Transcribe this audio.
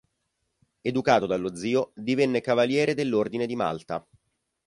Educato dallo zio, divenne cavaliere dell'Ordine di Malta.